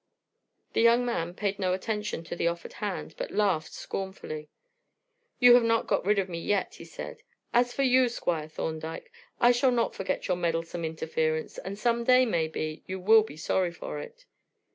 The young man paid no attention to the offered hand, but laughed scornfully. "You have not got rid of me yet," he said. "As for you, Squire Thorndyke, I shall not forget your meddlesome interference, and some day, maybe, you will be sorry for it."